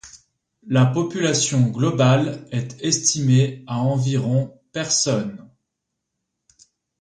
La population globale est estimée à environ personnes.